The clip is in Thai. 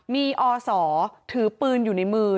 มีอศถือปืนอยู่ในมือ